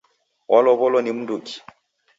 Walow'olo ni mnduki?